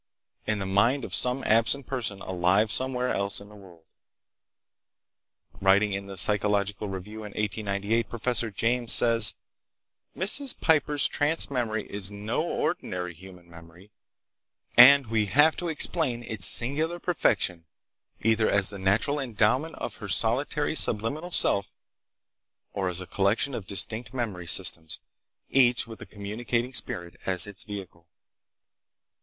In the mind of some absent person alive somewhere else in the world." Writing in the Psychological Review in 1898, Professor James says: "Mrs. Piper's trance memory is no ordinary human memory, and we have to explain its singular perfection either as the natural endowment of her solitary subliminal self, or as a collection of distinct memory systems, each with a communicating spirit as its vehicle.